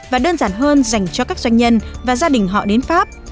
và đơn giản hơn dành cho các doanh nhân và gia đình họ đến pháp